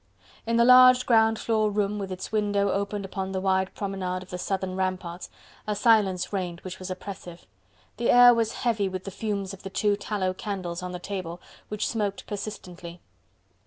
In the large ground floor room with its window opened upon the wide promenade of the southern ramparts, a silence reigned which was oppressive. The air was heavy with the fumes of the two tallow candles on the table, which smoked persistently.